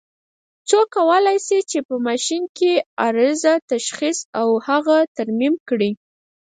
څوک کولای شي چې په ماشین کې عارضه تشخیص او هغه ترمیم کړي؟